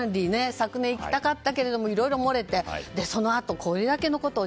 昨年行きたかったけれどいろいろ漏れてそのあと、これだけのことを